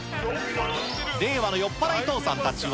令和の酔っ払い父さんたちは？